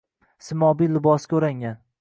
Simobiy libosga o’rangan